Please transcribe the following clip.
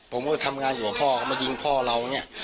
ผมก็ทำงานอยู่กับพ่อมายิงพ่อเราเนี่ย